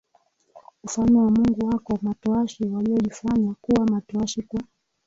Ufalme wa Mungu Wako matowashi waliojifanya kuwa matowashi kwa